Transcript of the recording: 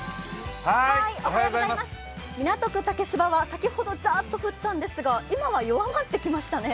港区竹芝は先ほど、ザーッと降ったんですが今は弱まってきましたね。